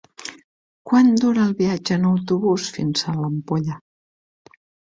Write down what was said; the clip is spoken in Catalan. Quant dura el viatge en autobús fins a l'Ampolla?